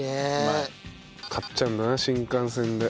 買っちゃうんだな新幹線で。